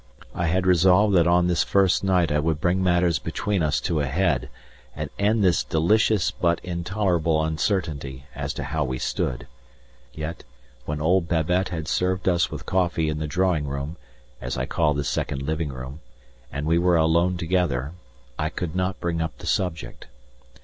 I had resolved that on this first night I would bring matters between us to a head and end this delicious but intolerable uncertainty as to how we stood; yet, when old Babette had served us with coffee in the drawing room, as I call the second living room, and we were alone together, I could not bring up the subject.